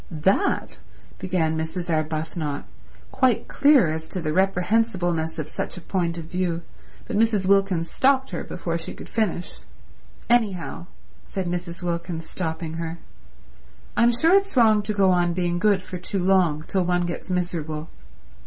"That—" began Mrs. Arbuthnot, quite clear as to the reprehensibleness of such a point of view; but Mrs. Wilkins stopped her before she could finish. "Anyhow," said Mrs. Wilkins, stopping her, "I'm sure it's wrong to go on being good for too long, till one gets miserable.